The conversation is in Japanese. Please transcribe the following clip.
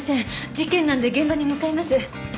事件なんで現場に向かいます。